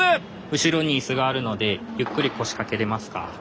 後ろにいすがあるのでゆっくり腰かけれますか？